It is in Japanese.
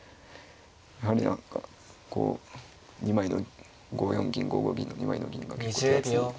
やはり何かこう２枚の５四銀５五銀の２枚の銀が結構手厚いので。